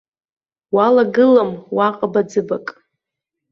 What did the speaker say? Уалагылам уа ҟыбаӡыбак.